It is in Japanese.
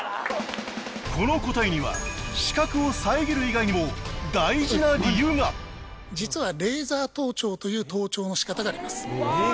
この答えには視覚を遮る以外にも大事な理由が実はレーザー盗聴という盗聴のしかたがあります